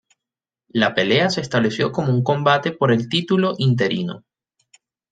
La pelea se estableció como un combate por el título interino.